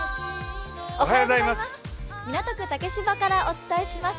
港区竹芝からお伝えします。